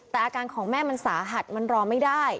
แต่อาการของแม่มันสาหัสมันรอไม่ได้